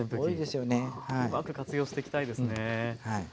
うまく活用していきたいですね。